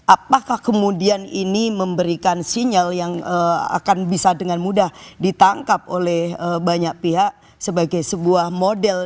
apakah kemudian ini memberikan sinyal yang akan bisa dengan mudah ditangkap oleh banyak pihak sebagai sebuah model